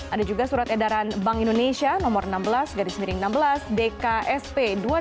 ada juga surat edaran bank indonesia nomor enam belas garis miring enam belas dksp dua ribu dua puluh